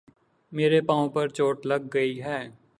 میرے پاؤں پر چوٹ لگ گئی ہے